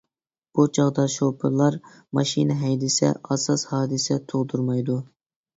بۇ چاغدا شوپۇرلار ماشىنا ھەيدىسە ئاساس ھادىسە تۇغدۇرمايدۇ.